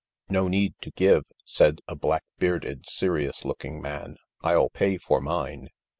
" No need to give," said a black bearded, serious looking man. " I'll pay for mine."